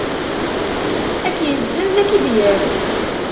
Ad k-izzenz, ad k-id-yerr.